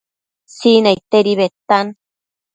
Sinaidtedi bedtan